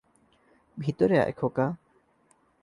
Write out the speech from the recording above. ভিতরে আয়, খোকা।